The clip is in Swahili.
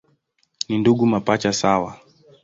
Ni ndugu mapacha sawa.